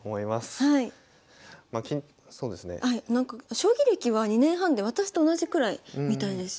将棋歴は２年半で私と同じくらいみたいでした。